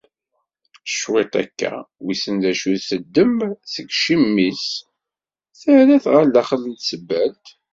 Cwiṭ akka wiss d acu i d-teddem seg yiciwi-s, terra-t ɣer daxel n tsebbalt.